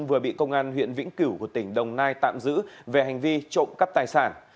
vừa bị công an huyện vĩnh cửu của tỉnh đồng nai tạm giữ về hành vi trộm cắp tài sản